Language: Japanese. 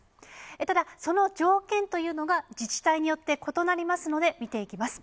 ただ、その条件というのが自治体によって異なりますので、見ていきます。